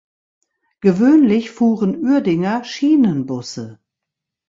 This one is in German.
Gewöhnlich fuhren Uerdinger Schienenbusse.